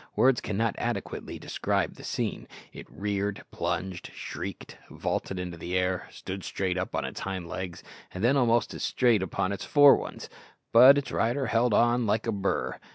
Words cannot adequately describe the scene. It reared, plunged, shrieked, vaulted into the air, stood straight up on its hind legs, and then almost as straight upon its fore ones; but its rider held on like a burr.